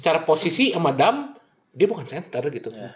secara posisi sama dam dia bukan center gitu